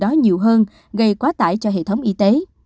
đó nhiều hơn gây quá tải cho hệ thống y tế